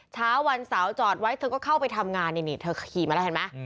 เช้าวันเสาร์จอดไว้เธอก็เข้าไปทำงานนี่เธอขี่มาแล้วเห็นไหม